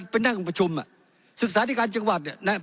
เป็นทางคุณประชุมอ่ะศึกษาในการจังหวัดเนี่ยนะฮะ